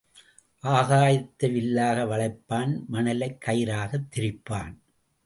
ஆகாயத்தை வில்லாக வளைப்பான் மனலைக் கயிறாகத் திரிப்பான்.